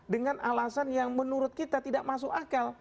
dengan alasan yang menurut kita tidak masuk akal